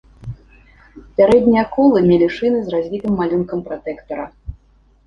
Пярэднія колы мелі шыны з развітым малюнкам пратэктара.